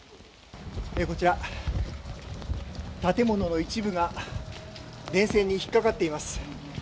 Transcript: こちら、建物の一部が電線に引っ掛かっています。